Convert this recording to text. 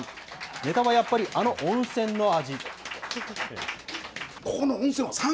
ネタはやっぱりあの温泉の味。